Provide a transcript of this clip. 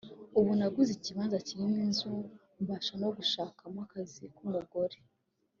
ubu naguze ikibanza kirimo inzu mbasha no kuyashakamo akazi k’umugore’’